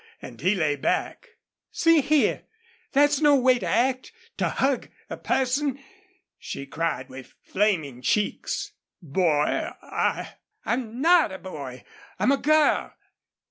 And he lay back. "See here that's no way to act to hug a person," she cried, with flaming cheeks. "Boy, I " "I'm NOT a boy. I'm a girl."